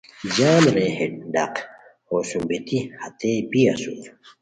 جام رے ہے ڈاق ہو سوم بیتی ہتئے بی اسور